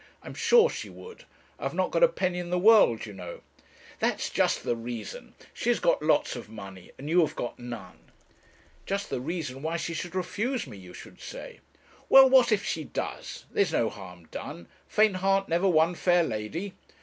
'I'm sure she would I've not got a penny in the world, you know.' 'That's just the reason she has got lots of money, and you have got none.' 'Just the reason why she should refuse me, you should say.' 'Well what if she does? There's no harm done. 'Faint heart never won fair lady.'